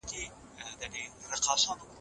خصوصي سکتور د هېواد د پرمختګ اصلي ماشين دی.